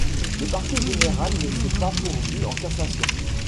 Le parquet général ne s'est pas pourvu en cassation.